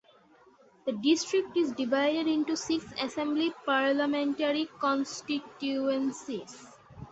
The district is divided into six Assembly parliamentary constituencies.